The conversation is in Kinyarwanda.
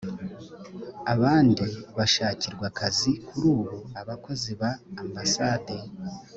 abandi bashakirwa akazi kuri ubu abakozi ba ambasade